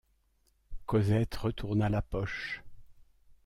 Cosette retourna la poche.